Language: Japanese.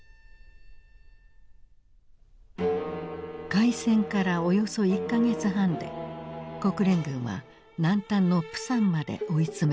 開戦からおよそ１か月半で国連軍は南端のプサンまで追い詰められた。